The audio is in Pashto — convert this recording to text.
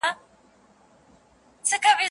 تر قیامته به روغ نه سم زه نصیب د فرزانه یم